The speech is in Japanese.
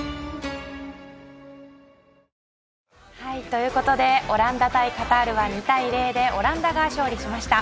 ということでオランダ対カタールは２対０でオランダが勝利しました。